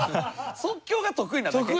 即興が得意なだけ？